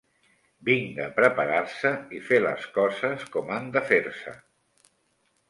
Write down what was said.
Vinga preparar-se i fer les coses com han de fer-se